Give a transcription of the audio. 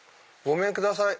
ごめんください。